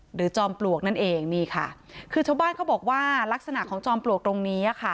หรือจอมปลวกนั่นเองค่ะคือชาวบ้านเขาบอกว่าลักษณะของจอมปลวกตรงนี้